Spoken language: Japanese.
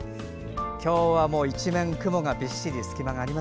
今日は一面雲がびっしり。